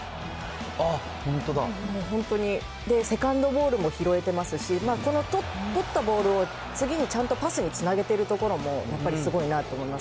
本当に、セカンドボールも拾えてますし、この取ったボールを次にちゃんとパスにつなげているところも、やっぱりすごいなと思います。